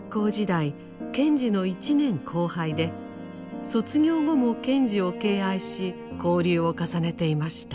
賢治の１年後輩で卒業後も賢治を敬愛し交流を重ねていました。